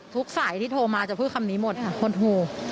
ทุกสายที่โทรมาจะพื้นคำนี้หมดห่วนหู